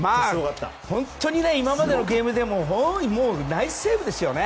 本当に今までのゲームでもナイスセーブですよね。